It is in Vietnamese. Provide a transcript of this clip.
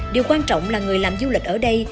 điều quan trọng là người làm du lịch ở đây